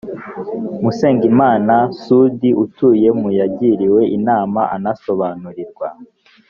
musengimana sudi utuye mu yagiriwe inama anasobanurirwa